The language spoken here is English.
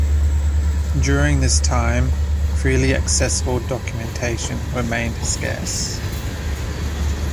During this time, freely accessible documentation remained scarce.